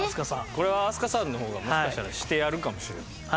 これは飛鳥さんの方がもしかしたらしてやるかもしれない。